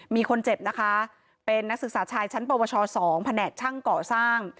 มีคนเจ็บนะคะเป็นนักศึกษาชายชั้นปวช๒แผนกช่างก่อสร้าง